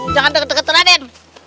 jangan deket deket raden